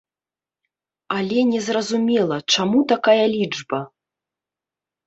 Але незразумела, чаму такая лічба.